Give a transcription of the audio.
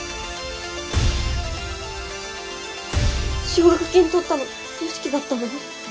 奨学金取ったの良樹だったの？